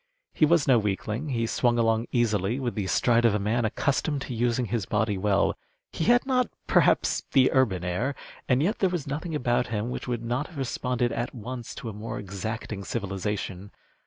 He was no weakling. He swung along easily with the stride of a man accustomed to using his body well. He had not, perhaps, the urban air, and yet there was nothing about him which would not have responded at once to a more exacting civilization.